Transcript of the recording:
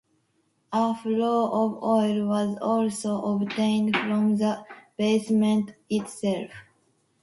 A flow of oil was also obtained from the basement itself.